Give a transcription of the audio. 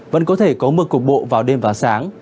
vẫn có thể có mưa cục bộ vào đêm và sáng